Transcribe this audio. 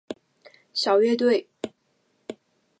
小乐队。